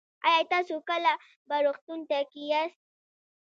ایا تاسو کله په روغتون کې یاست؟